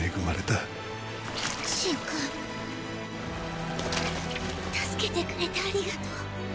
たすけてくれてありがとう。